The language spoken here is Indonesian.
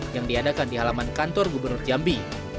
yang diadakan di halaman kantor gubernur jambi